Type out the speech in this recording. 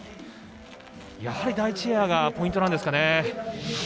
やはり第１エアがポイントなんですかね。